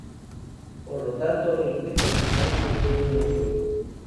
Por lo tanto, el objeto final contiene un hueco.